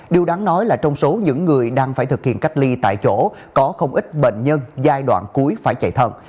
điều đáng nói là trong số những người đang phải thực hiện cách ly tại chỗ có không ít bệnh nhân giai đoạn cuối phải chạy thận